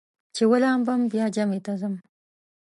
چې ولامبم بیا جمعې ته ځم.